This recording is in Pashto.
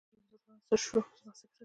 ومې ویل رضوانه څه شو زما سګرټ.